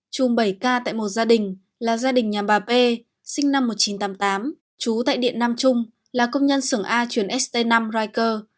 chùm bảy k tại một gia đình là gia đình nhà bà p sinh năm một nghìn chín trăm tám mươi tám trú tại điện nam trung là công nhân xưởng a chuyển st năm richer